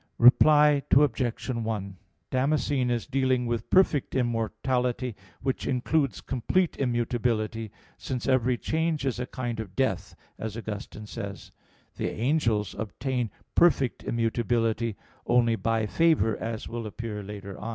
Reply Obj. 1: Damascene is dealing with perfect immortality, which includes complete immutability; since "every change is a kind of death," as Augustine says (Contra Maxim. iii). The angels obtain perfect immutability only by favor, as will appear later (Q.